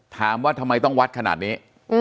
ถามว่าทำไมต้องวัดขนาดนี้